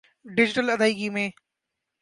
digital ادائیگی م